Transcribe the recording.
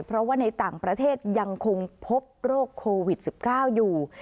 เพราะว่าในต่างประเทศยังคงพบโรคโควิด๑๙อยู่